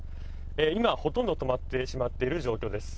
今、ほとんど止まってしまっている状況です。